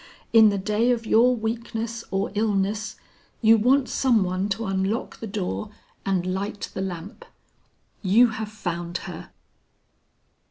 "In the day of your weakness or illness you want some one to unlock the door and light the lamp. You have found her!"